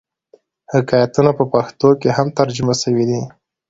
حکایتونه په پښتو کښي هم ترجمه سوي دي.